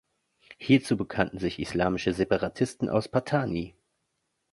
Hierzu bekannten sich islamische Separatisten aus Pattani.